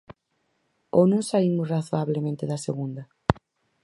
¿Ou non saímos razoablemente da segunda?